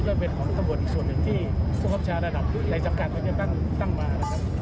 ก็เป็นของตำรวจอีกส่วนอย่างที่ภพชาตร์ระดับในจำกัดตั้งมา